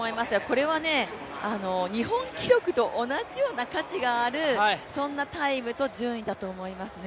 これは日本記録と同じような価値がある、そんなタイムと順位だと思いますね。